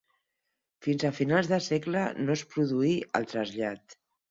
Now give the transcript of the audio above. Fins a finals de segle no es produí el trasllat.